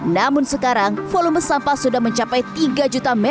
namun sekarang volume sampah sudah mencapai tiga m tiga